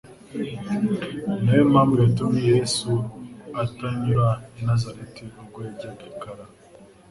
Ni nayo mpamvu yatumye Yesu atanyura i Nazareti ubwo yajyaga i Kana.